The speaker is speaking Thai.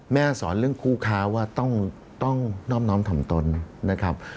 แม่สอนเรื่องคู่ค้าว่าต้องนอบน้อมถ่อมตนนะครับ